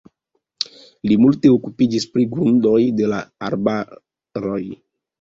Li multe okupiĝis pri grundoj de la arbaroj.